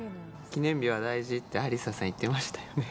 記念日は大事ってアリサさん言ってましたよね。